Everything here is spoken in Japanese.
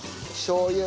しょう油。